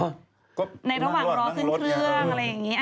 ในระหว่างรอขึ้นเครื่องอะไรอย่างนี้